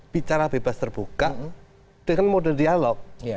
bicara bebas terbuka dengan model dialog